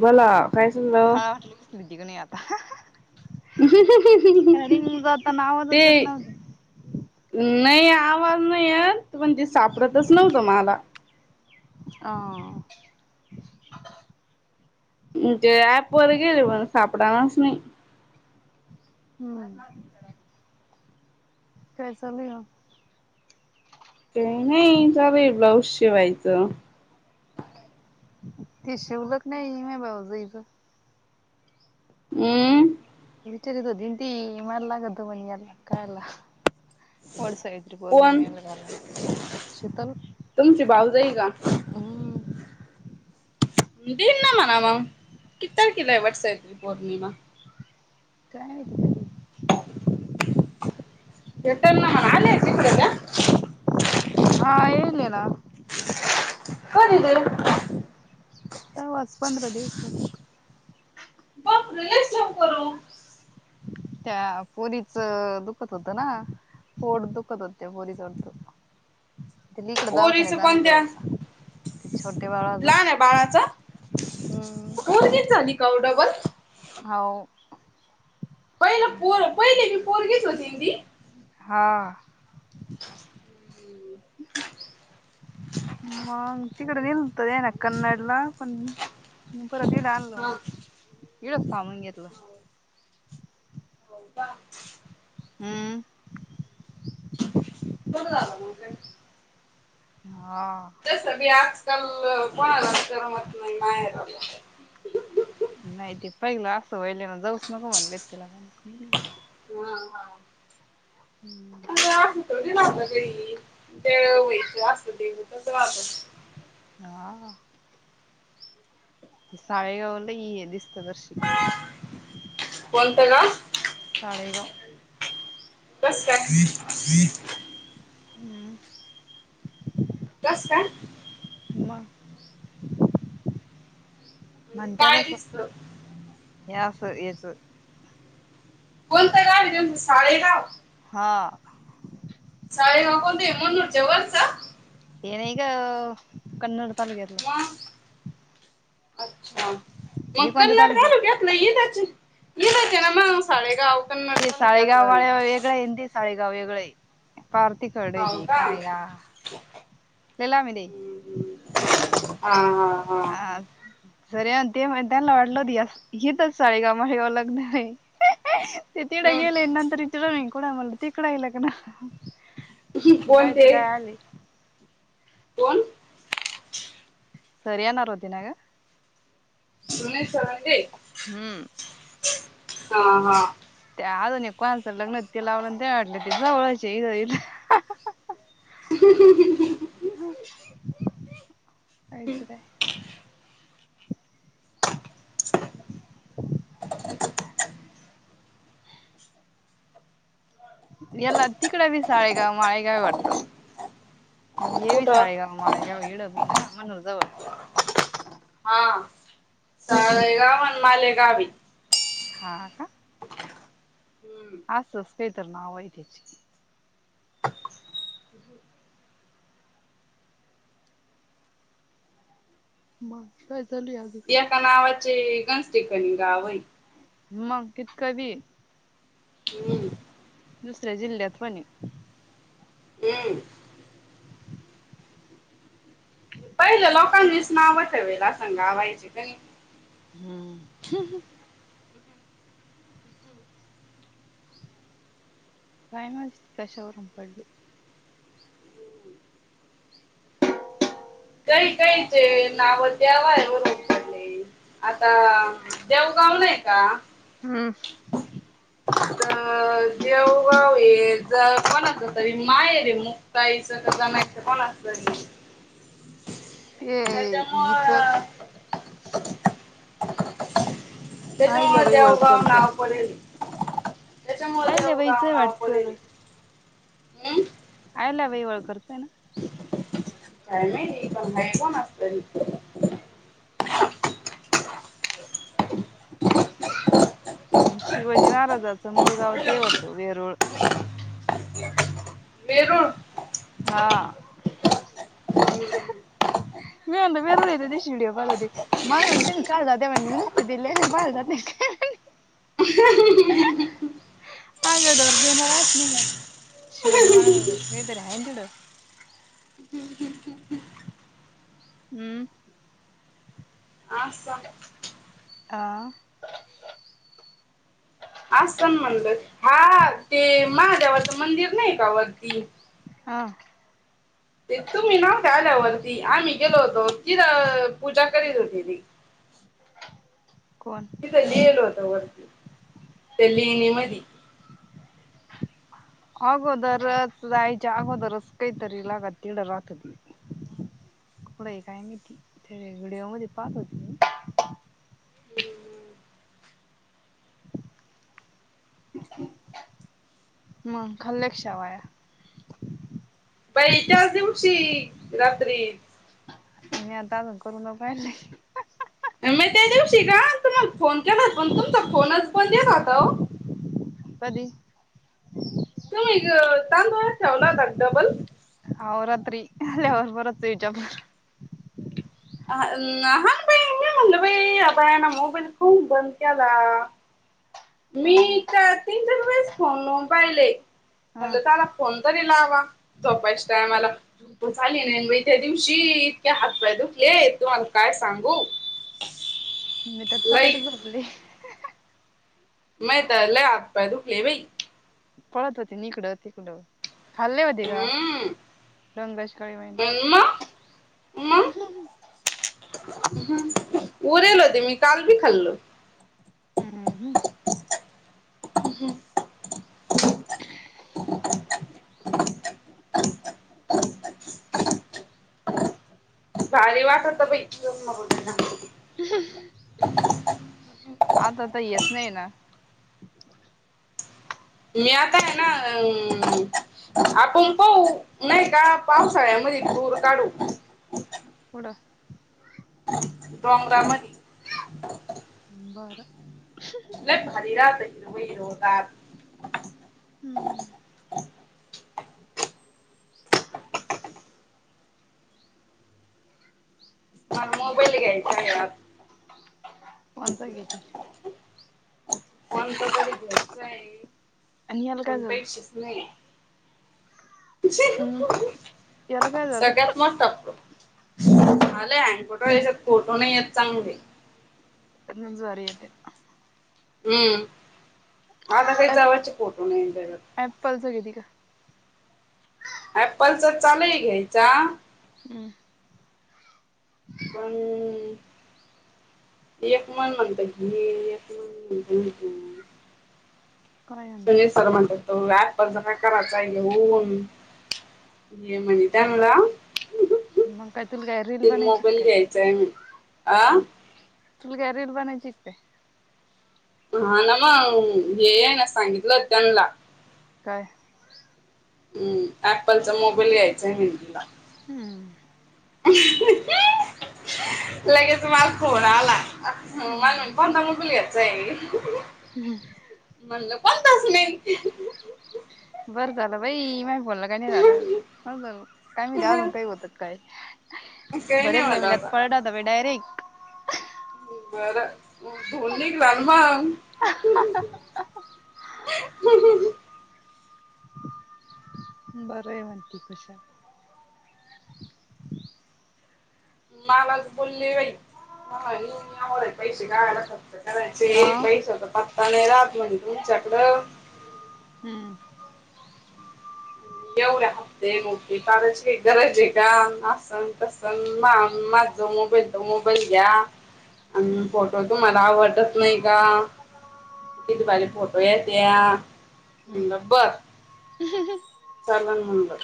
बोला. काय चाललं हां [unintelligible] तिकडन ये आता. रिंग [unintelligible] जाताना ते आवाजच येत नव्हता. [inaudible] नाही आवाज नाही येत पण ते सापडतच न्हवत माला हां. ते ऍप वर गेले पण सापडानच नाही. हम्म काय चालूय ओ? काही नाही चालूय ब्लाऊज शिवायचं. ते शिवलचं नाही मी ब्लाऊज हिज अम् [unintelligible] वडसावित्री कोण पौर्णिमेला घालल, शितल तुमची भाऊजई का हम्म. [unintelligible] मग किती तारखेला आहे वटसावित्री पौर्णिमा. काय माहिती? कधी? [unintelligible] हां यायले ना. होणे दे तवाच पंधरा दिवस होत्या. [unintelligible] त्या पोरीच दुखत होतं ना पोट दुखत होत त्या पोरीच ते इकडं पोरीचं दवाखान्यात आणलं कोणत्या होत छोटे बाळाच लहान आहे बाळाचं पोरगीच झाली काहो डबल हो पहिलं पोर पहिली बी पोरगीच होती ती. हा म तिकडे निघत यांना कन्नड लहानपणी हा. [unintelligible] इथ थांब. घेतला हो का हम्म बरं झालं मग काय हा जसं मी आज त्याल कोणालाच करमत नाही माहेरी राहुन. नाहीते पहिला वयले ना जाऊच नको म्हणले तिला [unintelligible] [inaudible] देवीच रहातं हा हा साळेगावला ये दिस प्रदर्शित कोणत गाव? कस काय? [inaudible] हम्म कस काय [inaudible] म्हणजे म्हणत्यात काय असं दिसतं? हे असं याच कोणत गाव आहे त्यांचं साळेगाव,. हा साळेगाव कोणतं हे मुनूरच्या वरचं ते नाही ग कन्नड तालुक्यात मग अच्छा या हे कोणत्या कन्नड तालुक्यात तालुक्यातलं इथच इथच हे ना मग साळेगाव ते साळेगाववा वेगळा ये साळेगाव गाव वेगळ आहे पारती खडय दे काय का लिला मी दे हा हा हा अ जर ते मैदानाला वाटलं होत हीच साडीगामारी ओ लग्न हाय तेे तिकड हम्म गेलेनंतर येतेर मी कुट म्हणलं तिकड हाय लग्न कोण कायच ते काय आले कोण [inaudible] सर येणार होते ना ग हम्म. [unintelligible] [inaudible] हा हा आजू एक कोणाच लग्न हो ते लावलं ते वाटलं ते [unintelligible] आयचं काय [inaudible] याला तिकड बी साळेगाव माळेगावी वाटत ए कुठं साळेगाव माळेगाव एड बी ना मनु जवळ हा साळेगाव आणि माले गावी [inaudible] हा आ का हम्म असस ते तर नाव ऐकायची [unintelligible] अजून एका नावत [unintelligible] गावई मग कित कवी हम्म दुसऱ्या जिल्ह्यात पणी [unintelligible] पहिलं लोकांनीच नाव ठेवेल असं [unintelligible] कनी हम्म [inaudible] काय माहित कशावरून पडली काही काहीचे नाव देवावरून पडले आता देवगाव नाही का हम्म अ देवगाव ये ज कोण अस तरी माहेर आहे मुक्ताईच का जनाईचं कोणाच तरी ते इचं [inaudible] त्याच्यामुळं [inaudible] त्याच्यामुळे देवगाव होळकरचं नाव पडील त्याच्यामुळ देवगाव नाव पडेले अहिल्या वळवळ करत आहे ना. काय नाही मुंबईच्या मास्तर येत्या हम् [unintelligible] अन शिवाजी महाराजांच मूळ गाव ते होत वेरूळ वेरूळ हम्म [unintelligible] आ दोर्दन नि शिवाजी महाराज काय तरी हाय ना तिकडं. आसन आह आसन म्हणलं हा ते महादेवाच मंदिर नाही [unintelligible] हा ते तुम्ही नव्ह का आल्यावरती आम्ही गेलो होतो तिथं पूजा करीत होती ती कोण? तिथ नेल हो दिल्ली मधी अगोदरच जायच्या अगोदरच ते तरी लागत तिकडं राहत होती. कपडे ही काय नाहीती ते व्हिडिओ मध्ये पाहत होती मगं खाल्या का शेवाया बाई त्याच दिवशी रात्री आणि आता पण करून पाहिले मी त्या दिवशी ग तु मग फोन केला होता पण तुमचा फोनच बंद राहत होता वो [inaudible] त्यो तांदोळात ठेवला होता डबल अहो रात्री लईच बोलत होतो हिच्या बरोबर. अ हान बाई मी म्हणल बाई आता यान मोबाईल कवून बंद केला मी हा. च तीन चार वेळेस फोन लावून पाहिले हा म्हटलं, चला फोन तरी लावा. झोपायच्या टायमाला मग झाली नाही. मग त्या दिवशी इतके हातपाय दुखले तूम्हाला काय सांगू मी त तराट लई झोपले माये त लय हात पाय दूखले बाई पळत होती. निकडं तिकडं खाल्ले होते. का हम्म. डोंगराची काळी मग मैना मग [inaudible] उरेल होते मी काल बी खाल्ल हूं हूं हूं भारी वाटत बाई [unintelligible] आता तर येस नाय ना मी आता आहे. ना अ आपण पाहू नाही. का पावसाळ्यामध्ये दूर काढू [unintelligible] [unintelligible] दोनदा म्हणे बर लय भारी राहतात हीरो होतात हम्म [inaudible] मला मोबाईल घ्यायचाय आत कोणता घेती कोणता तरी घ्यायचं आहे आणि याला काय पण झालं पैशेच नाही हम्म याला काय [unintelligible] झालं? सगळ्यात मोठा झालय आणि कुठं यांच्यात फोटो नाही येत चांगले ज्वारी येतय उम्म आता कायी ॲप जावायचे फोटू नई तेज्यात त्यह ॲपलचा चाललय घ्यायचा उह पण एक मन म्हणतय कि एक मन म्हणतय की काय सुजय आणलं सर म्हणताय अ ॲपलचा काय करायचं घेऊन घे म्हणे चांगला मग काय तुला काय रील बनायची काय आं तुला काय रिल बनायची की काय हा ना मंग हे ये ना सांगितलं त्यानला काय हम्म ॲपलचा चा मोबाईल घ्यायचाय [unintelligible] हम्म [inaudible] लगेच मला फोन आला म्हणुन कोणता मोबाईल घ्यायचा आहे म्हणलं कोणता सुनील? बरं झालं बई मा बोल काही नाही झालं काय मी द्याग काही बतात काय काही नाही भरेल म्हणत कात आता पळला डायरेक्ट [unintelligible] बरं धुर निगला ना मग बरं आहे म्हणती [unintelligible] मलाच बोलले बाई पैसे हा [unintelligible] पैसा पत्ता नाही. मंग तुमच्याकड हम्म [unintelligible] येवढे हफ्ते मोठे काढायची काय गरज आहे का असन तसन मा माझ मोबाईल त मोबाईल घ्या आनं फोटो तुमाला घ्याव वाटतं नाही का किती भारी फोटो येत्यात म्हटलं बर चांगला निहुन भर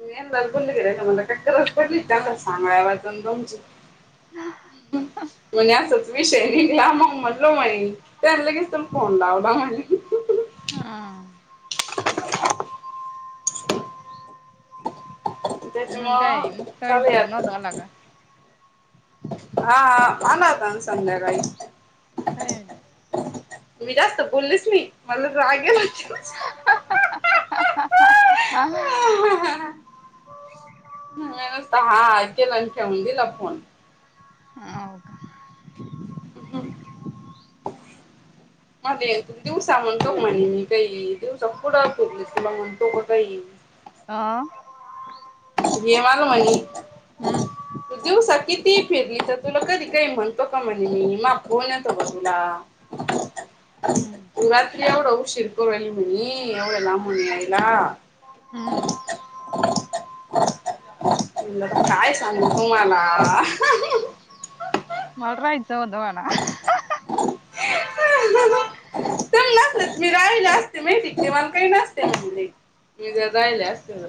मी यांनलाच बंद केलंय त्यांना म्हणलं काय गरज पडली त्याला सांगाय वाचुन तुमची? म्हणे असंच विषय निघला मग म्हणलो [unintelligible] त्याने लगेच तेन फोन लावला म्हणे हा [unintelligible] म्हणतंय तेय मुक्त ईस पण नादाव लागलं. हां हां आला होताना संध्याकाळी काय [unintelligible] तुम्ही जास्त बोल्लेच मी मला रागेला मी नुसतं हां हां केला अन् ठेवून दिला फोन हाव का हम् म्हागल्या वेळी तुम्ही दिवस सांग म्हणून कवा म्हणले मी? काही दिवसा पुढं फिरलीस, तुला म्हणतो का काही? आ प्रेमानं म्हणीत, हम्म तू दिवसा कितीही फिरली तर तुला कधी काय म्हणतो का म्हणे मी? मा फोन येतो का तुला? तू रात्री एवढं उशीर करून राहिली म्हणी एवढ्या लांबून यायला हम्म काय सांगू तुम्हाला? मला राहायच होत [unintelligible] त्यांना मी राहिले असते माहिती काय मला काही नसते म्हटले मी जर राहिले असते तर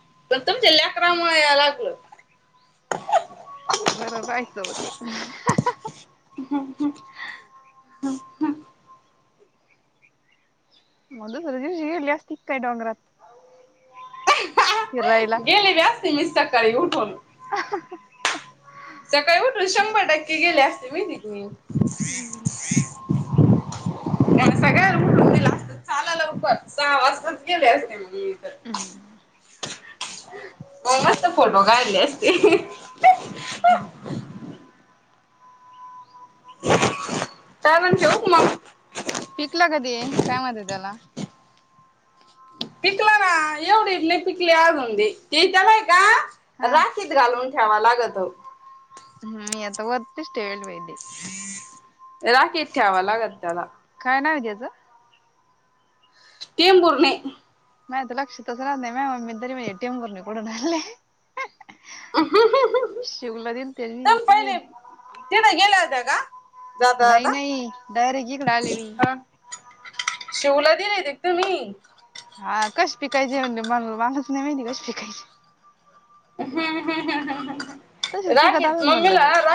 [unintelligible] तुमच्या लेकरामुळे यायला लागल बरं राहायचं होतं हम्म हम्म [unintelligible] मग दुसऱ्या दिवशी गेली असती काय डोंगरात? फिरायला गेले बी असते मी सक काही उठून सकाळी उठून शंभर टक्के गेले असते मी माहित का मी [inaudible] आणि सगळ उठून दिेला असत चाला लवकर सहा वाजताच गेले असते मी तर मग मस्त फोटो काढले असते काय म्हणते होक माऊ? पिकलं का दे, काय म्हणतेत त्याला? पिकला ना एवढेत लई पिकले अजूनदी ते त्यालाय का हा राशीत घालून ठेवा लागतं मी आता वरती [unintelligible] [unintelligible] राखेत ठेवाय लागल त्याला [unintelligible] टेम्भूर्णी माझ्या तर लक्षातच राहत नाय म्या, मम्मी दरवेळी टेंभूर्णीकडून आले [unintelligible] शिवला दिलत्या मी, काय माहित? तेन गेले होतं का जाता नाही जाता नाही डायरेक्ट हिकड आले मी हा शिवला बी नाय रे तुम्ही हां कश पिकायचेे म्हणले मनाला-मनालाच? नवे दिवस शिकायचे [unintelligible] तसेच राह पिकत की आलं म्हणलं मम्मीला ते रा